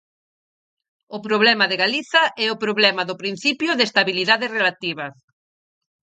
O problema de Galiza é o problema do principio de estabilidade relativa.